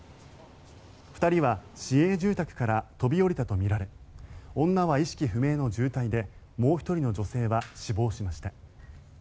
２人は市営住宅から飛び降りたとみられ女は意識不明の重体でもう１人の女性は死亡しました。